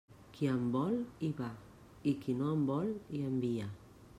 Qui en vol, hi va; i qui no en vol, hi envia.